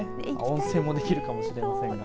温泉もできるかもしれません。